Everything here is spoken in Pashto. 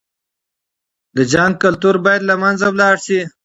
د جنګ کلتور بايد له منځه لاړ شي.